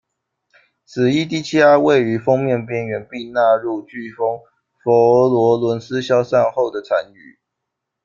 此一低气压位于锋面边缘，并纳入飓风佛罗伦斯消散后的残余。